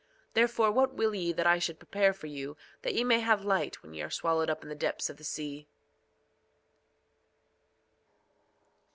Therefore what will ye that I should prepare for you that ye may have light when ye are swallowed up in the depths of the sea?